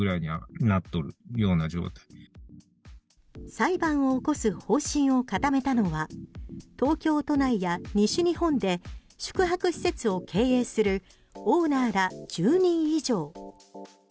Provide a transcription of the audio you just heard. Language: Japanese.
裁判を起こす方針を固めたのは東京都内や西日本で宿泊施設を経営するオーナーら１０人以上。